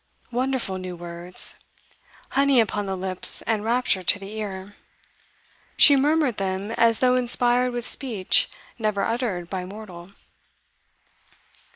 Wonderful new words: honey upon the lips and rapture to the ear. She murmured them as though inspired with speech never uttered by mortal.